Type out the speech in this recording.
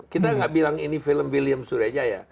kita nggak bilang ini film william surya aja ya